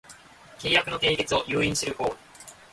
契約の締結を誘引する行為